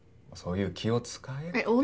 そういう気を使えって。